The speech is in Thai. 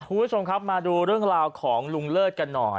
คุณผู้ชมครับมาดูเรื่องราวของลุงเลิศกันหน่อย